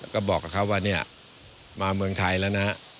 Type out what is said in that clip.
ก็บอกเขาว่ามาเมืองไทยแล้วนะ